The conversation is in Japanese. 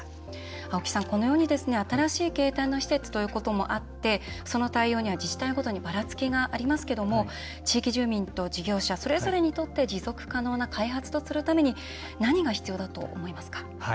青木さん、このように新しい形態の施設ということもあってその対応には自治体ごとにばらつきがありますけども地域住民と事業者それぞれにとって持続可能な開発とするために何が必要だと思いますか？